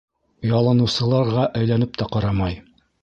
Ялыныусыларға әйләнеп тә ҡарамай.